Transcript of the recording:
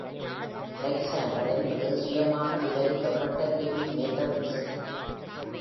லெக்ஸாண்டர் என்பது சுயமாக விவரிக்கப்பட்ட heavy metal விசிறி.